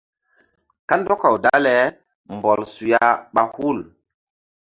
Kandɔkaw dale mbɔl suya ɓa hul.